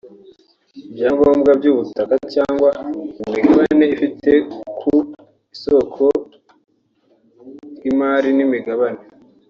ibyangombwa by’ubutaka cyangwa imigabane afite ku isoko ry’imari n’imigabane